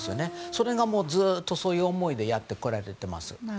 それがずっと、そういう思いでやってこられています。